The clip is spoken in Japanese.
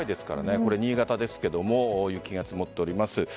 これ新潟ですが雪が積もっております。